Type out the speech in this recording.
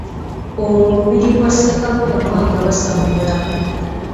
Olwo lubiri lwa Ssekabaka Mwanga Basammula.